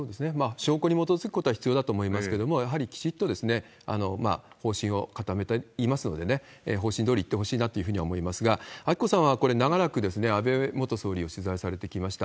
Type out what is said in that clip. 証拠に基づくことは必要だと思いますけれども、やはりきちっと方針を固めていますのでね、方針どおりいってほしいなとは思いますが、明子さんはこれ、長らく安倍元総理を取材されてきました。